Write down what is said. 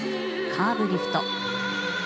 カーブリフト。